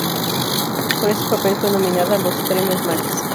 Por este papel fue nominada a los y a los Premios Max.